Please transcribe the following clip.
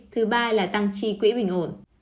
thứ ba là tăng chi quỹ bình ổn